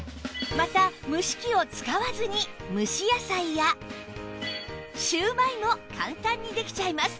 また蒸し器を使わずに蒸し野菜やしゅうまいも簡単にできちゃいます